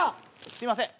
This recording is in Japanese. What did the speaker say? すいません。